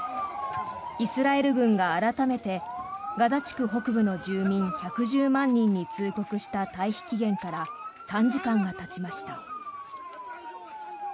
イスラエル軍が改めてガザ地区北部の住民１１０万人に通告した退避期限から３時間がたちました。